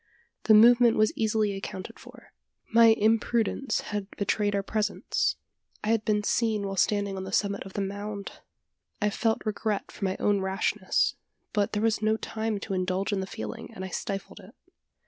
The movement was easily accounted for. My imprudence had betrayed our presence. I had been seen while standing on the summit of the mound! I felt regret for my own rashness; but there was no time to indulge in the feeling, and I stifled it.